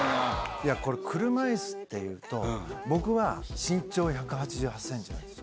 いやこれ、車いすっていうと、僕は身長１８８センチなんです。